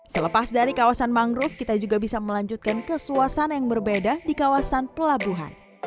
selepas dari kawasan mangrove kita juga bisa melanjutkan ke suasana yang berbeda di kawasan pelabuhan